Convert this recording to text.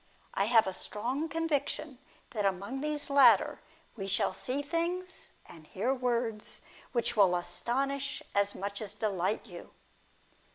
I have a strong conviction that among these latter we shall see things, and hear words, which will astonish as much as delight you.